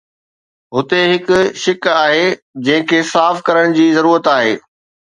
هتي هڪ شڪ آهي جنهن کي صاف ڪرڻ جي ضرورت آهي.